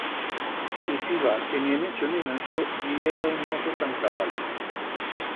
Iciba que ni en Echo ni en Ansó bi heba un mozo tan cabal.